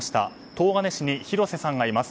東金市に広瀬さんがいます。